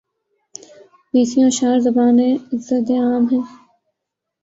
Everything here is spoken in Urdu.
بیسیوں اشعار زبانِ زدِ عام ہیں